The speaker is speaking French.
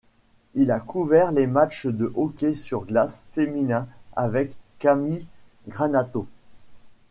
Il a couvert les matches de hockey sur glace féminin avec Cammi Granato.